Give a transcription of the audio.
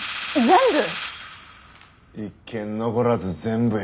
１件残らず全部や。